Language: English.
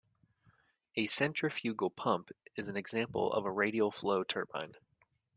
A centrifugal pump is an example of a radial flow turbine.